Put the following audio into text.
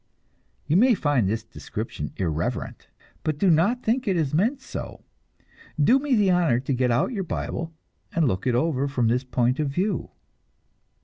You may find this description irreverent, but do not think it is meant so. Do me the honor to get out your Bible and look it over from this point of view!